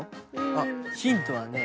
あヒントはね